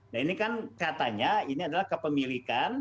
nah ini kan katanya ini adalah kepemilikan